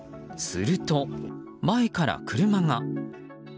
すると、前から車が。